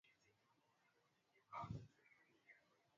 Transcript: huwezi kufikiri wanaweza kusimama pamoja kama ndugu